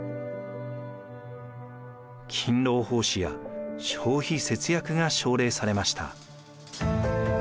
勤労奉仕や消費節約が奨励されました。